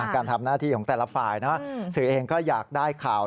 การทำหน้าที่ของแต่ละฝ่ายสื่อเองก็อยากได้ข่าว